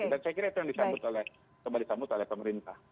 dan saya kira itu yang disambut oleh pemerintah